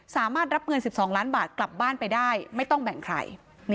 สามารถรับเงิน๑๒ล้านบาทกลับบ้านไปได้ไม่ต้องแบ่งใคร